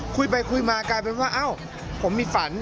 คุยไปคุยมากลายเป็นว่าเอ้าผมมีฝัน